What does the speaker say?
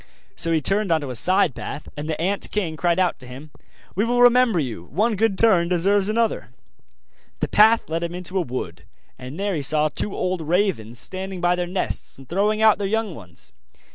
So he turned on to a side path and the ant king cried out to him: 'We will remember you one good turn deserves another!' The path led him into a wood, and there he saw two old ravens standing by their nest, and throwing out their young ones.